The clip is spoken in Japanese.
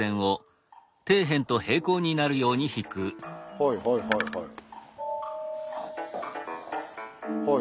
はいはいはいはい。